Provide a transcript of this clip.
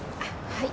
はい。